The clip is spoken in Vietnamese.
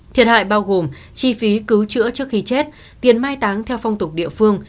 thiệt hại bao gồm chi phí cứu chữa trước khi chết tiền mai táng theo phong tục địa phương